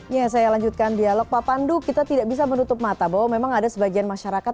ya saya lanjutkan dialog pak pandu kita tidak bisa menutup mata bahwa memang ada sebagian masyarakat